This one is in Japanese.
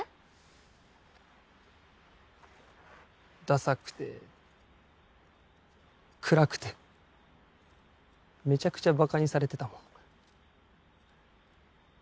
ダサくて暗くてめちゃくちゃバカにされてたもん。